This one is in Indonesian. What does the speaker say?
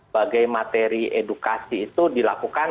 bagai materi edukasi itu dilakukan